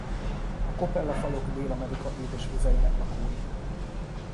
A Copella-fajok Dél-Amerika édesvizeinek lakói.